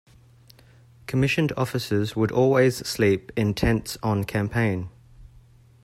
Commissioned officers would always sleep in tents on campaign.